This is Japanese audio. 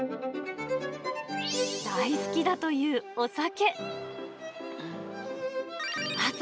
大好きだというお酒。